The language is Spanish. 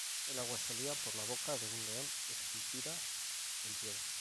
El agua salía por la boca de un león esculpida en piedra.